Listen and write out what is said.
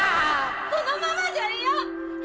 このままじゃいや！